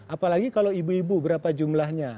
apalagi kalau ibu ibu berapa jumlahnya